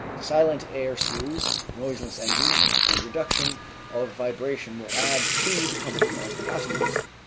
Silent air screws, noiseless engines, and reduction of vibration will add to the comfort of passengers.